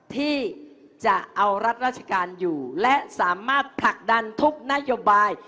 ที่จะเอารัฐราชการอยู่และสามารถผลักดันทุกนโยบาย